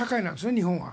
日本は。